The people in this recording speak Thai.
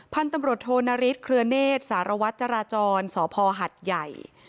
พันธุ์ตำรวจโทนฤทธเครือเนศสารวัตรจราจรสพหัดใหญ่